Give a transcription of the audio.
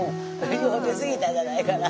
よう出すぎたんじゃないかな？